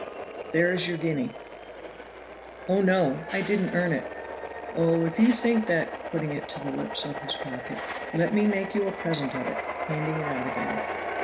"There is your guinea." "Oh, no! I didn't earn it." "Oh, if you think that (putting it to the lips of his pocket), let me make you a present of it" (handing it out again).